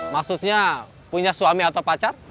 maksudnya punya suami atau pacar